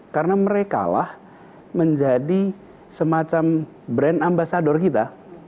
karena merekalah menjadi semacam brand ambasador kita